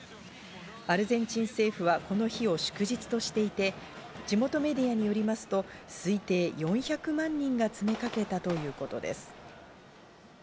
アルゼンチン政府は、この日を祝日としていて、地元メディアによりますと推定４００万人が詰めかけたということです。